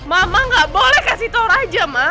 mama gak boleh kasih tau raja ma